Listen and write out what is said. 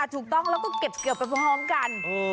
ถูกต้องแล้วก็เก็บเกือบไปพร้อมกัน